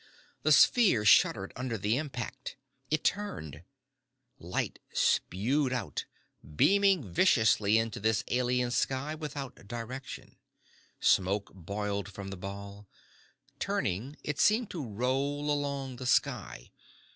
The sphere shuddered under the impact. It turned. Light spewed out of it, beaming viciously into this alien sky without direction. Smoke boiled from the ball. Turning it seemed to roll along the sky.